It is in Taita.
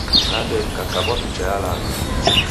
Nande ngakabwa picha ya lagha.